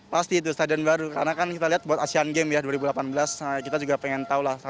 pasti itu stadion baru karena kan kita lihat buat asean games ya dua ribu delapan belas kita juga pengen tahu lah